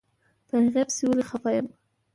په هغې پسې ولې خپه يم.